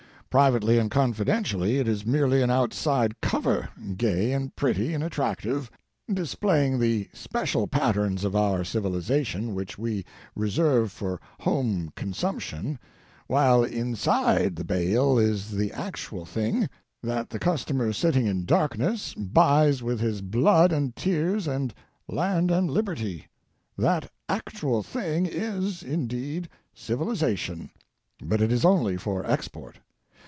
Privately and confiden tially, it is merely an outside cover, gay and pretty and attractive, displaying the special patterns of our Civilization which we re serve for Home Consumption, while inside the bale is the Actual Thing that the Customer Sitting in Darkness buys with his blood and tears and land and liberty. That Actual Thing is, indeed, Civilization, but it is only for Export.